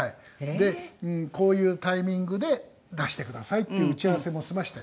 でこういうタイミングで出してくださいっていう打ち合わせも済ませて。